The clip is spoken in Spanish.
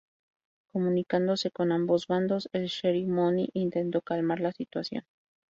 Comunicándose con ambos bandos, el sheriff Mooney intentó calmar la situación.